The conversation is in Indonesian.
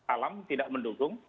alam tidak mendukung